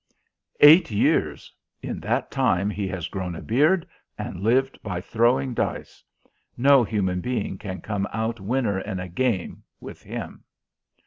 "Eight years. In that time he has grown a beard, and lived by throwing dice. No human being can come out winner in a game with him."